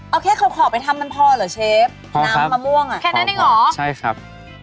เอาแค่ขอขอบไปทำมันพอเหรอเชฟน้ำมะม่วงอ่ะแค่นั้นเองเหรอใช่ครับ